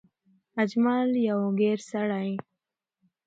اجمل يو ګېر سړی